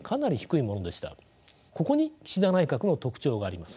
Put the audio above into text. ここに岸田内閣の特徴があります。